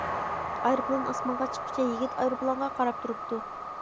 ئايروپىلان ئاسمانغا چىققۇچە يىگىت ئايروپىلانغا قاراپ تۇرۇپتۇ.